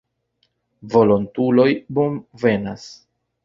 Volontuloj bonvenas.